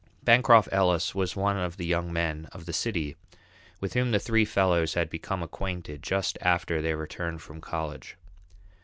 Bancroft Ellis was one of the young men of the city with whom the three fellows had become acquainted just after their return from college.